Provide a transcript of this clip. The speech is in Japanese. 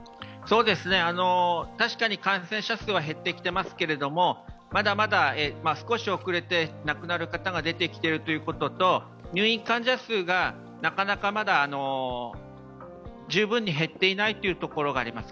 確かに感染者数は減ってきてますけれどもまだまだ少し遅れて亡くなる方が出てきていることと、入院患者数がなかなか十分に減っていないところがあります。